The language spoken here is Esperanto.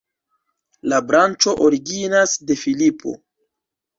La branĉo originas de Filipo.